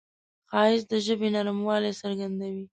ښایست د ژبې نرموالی څرګندوي